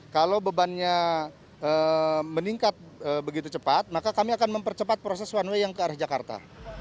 kalau bebannya meningkat begitu cepat maka kami akan mempercepat proses one way yang ke arah jakarta